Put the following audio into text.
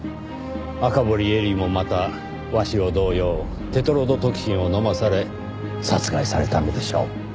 赤堀絵里もまた鷲尾同様テトロドトキシンを飲まされ殺害されたのでしょう。